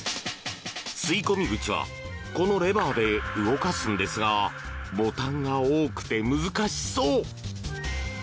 吸い込み口はこのレバーで動かすのですがボタンが多くて難しそう。